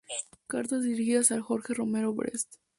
Cartas dirigidas a Jorge Romero Brest.